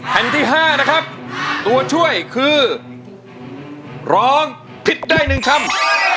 แผ่นที่๕นะครับตัวช่วยคือร้องผิดได้๑คำ